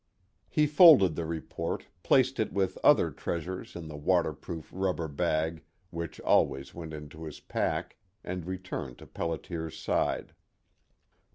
He folded the report, placed it with other treasures in the waterproof rubber bag which always went into his pack, and returned to Pelliter's side.